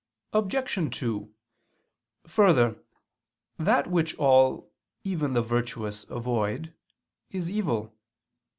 Obj. 2: Further, that which all, even the virtuous, avoid, is evil.